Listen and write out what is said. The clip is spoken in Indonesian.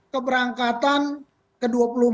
keberangkatan ke dua puluh empat